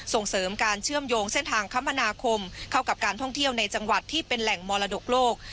ส่งเสริมการเชื่อมโยงเส้นทางคมนาคมเข้ากับการท่องเที่ยวในจังหวัดที่เป็นแหล่งมรดกโลก